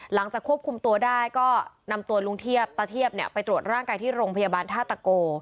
หลังจากควบคุมตัวได้ก็นำตัวลุงเทียบตะเทียบไปตรวจร่างกายที่โรงพยาบาลท่าตะโก